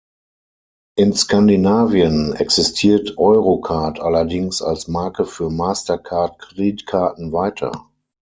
In Skandinavien existiert Eurocard allerdings als Marke für Mastercard-Kreditkarten weiter.